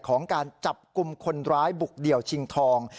ของการจับกลุ่มคนร้ายบุกเดี่ยวชิงทอง